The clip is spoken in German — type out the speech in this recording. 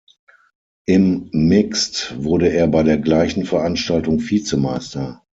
Im Mixed wurde er bei der gleichen Veranstaltung Vizemeister.